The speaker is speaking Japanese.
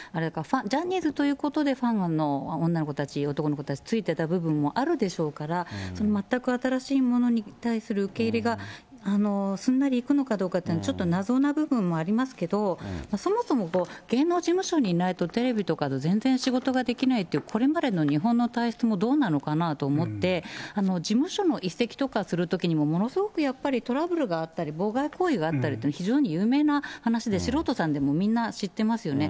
ジャニーズということでファンの女の子たち、男の子たち、ついてた部分もあるでしょうから、全く新しいものに対する受け入れがすんなりいくのかどうかというのは、ちょっと謎な部分もありますけど、そもそも芸能事務所にいないとテレビとか、全然仕事ができないという、これまでの日本の体質もどうなのかなと思って、事務所の移籍とかするときもものすごくやっぱりトラブルがあったり、妨害行為があったりと、非常に有名な話で、素人さんでもみんな知ってますよね。